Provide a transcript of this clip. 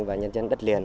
và nhân dân đất liền